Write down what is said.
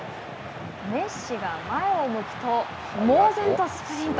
メッシが前を向くと、猛然とスプリント。